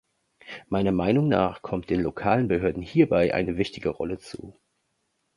Meiner Meinung nach kommt den lokalen Behörden hierbei eine wichtige Rolle zu.